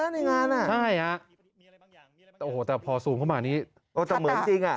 นะในงานอ่ะใช่อ่ะโอ้โหแต่พอสูมเข้ามานี้โอ้แต่เหมือนจริง